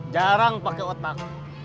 jarang pakai otak